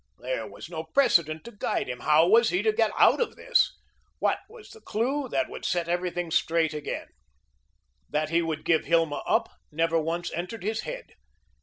There was no precedent to guide him. How was he to get out of this? What was the clew that would set everything straight again? That he would give Hilma up, never once entered his head.